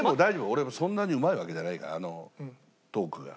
俺そんなにうまいわけじゃないからトークが。